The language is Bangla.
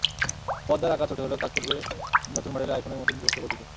পর্দার আকার ছোট হলেও কাজ করবে নতুন মডেলের আইফোনের মতোই দ্রুতগতিতে।